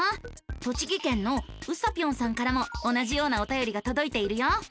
栃木県のうさぴょんさんからも同じようなおたよりがとどいているよ。